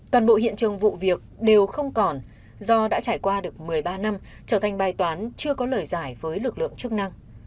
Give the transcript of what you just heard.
toàn bộ hiện trường vụ việc đều không còn do đã trải qua được một mươi ba năm trở thành bài toán chưa có lời giải với lực lượng chức năng